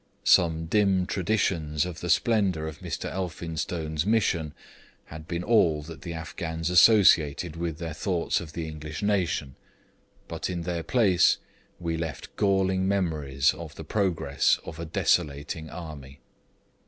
Some dim traditions of the splendour of Mr. Elphinstone's Mission had been all that the Afghans associated with their thoughts of the English nation, but in their place we left galling memories of the progress of a desolating army.'